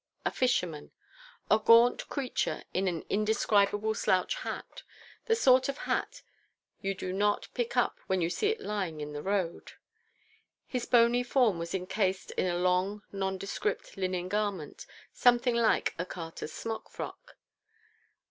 A fisherman. A gaunt creature in an indescribable slouch hat: the sort of hat you do not pick up when you see it lying in the road; his bony form was encased in a long, nondescript linen garment, something like a carter's smock frock.